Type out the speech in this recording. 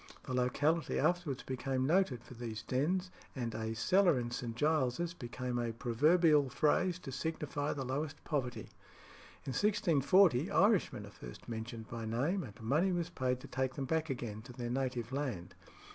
The locality afterwards became noted for these dens, and "a cellar in St. Giles's" became a proverbial phrase to signify the lowest poverty. In 1640 Irishmen are first mentioned by name, and money was paid to take them back again to their native land.